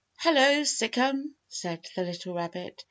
"Hello, Sic'em!" said the little rabbit.